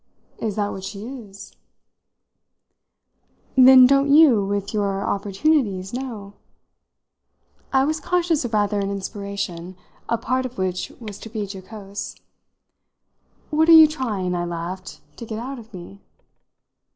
"Is that what she is?" "Then don't you, with your opportunities, know?" I was conscious of rather an inspiration, a part of which was to be jocose. "What are you trying," I laughed, "to get out of me?"